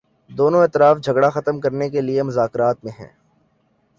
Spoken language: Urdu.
دونوں اطراف جھگڑا ختم کرنے کے لیے مذاکرات میں ہیں